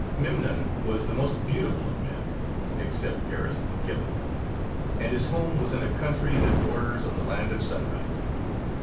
Memnon was the most beautiful of men, except Paris and Achilles, and his home was in a country that borders on the land of sunrising.